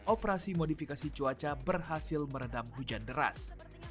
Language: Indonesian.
operasi modifikasi cuaca berhasil meredam hujan deras